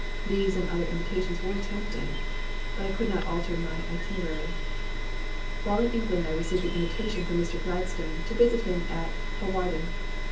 These and other invitations were tempting, but I could not alter my itinerary. While in England I received an invitation from Mr. Gladstone to visit him at Hawarden.